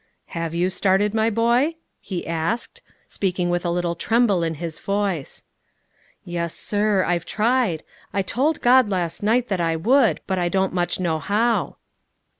"Have you started, my boy?" he asked, speaking with a little tremble in his voice. "Yes, sir, I've tried; I told God last night that I would, but I don't much know how."